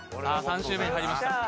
３周目に入りました。